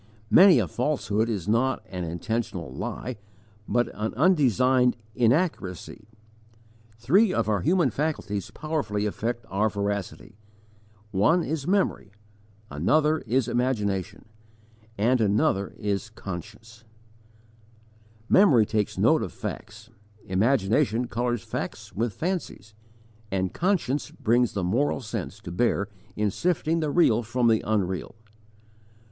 Many a falsehood is not an intentional lie, but an undesigned inaccuracy. Three of our human faculties powerfully affect our veracity: one is memory, another is imagination, and another is conscience. Memory takes note of facts, imagination colours facts with fancies, and conscience brings the moral sense to bear in sifting the real from the unreal.